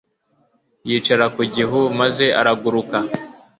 yicara ku gihu, maze araguruka